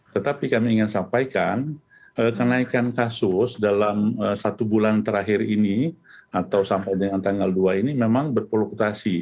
tetapi kami ingin sampaikan kenaikan kasus dalam satu bulan terakhir ini atau sampai dengan tanggal dua ini memang berpolukutasi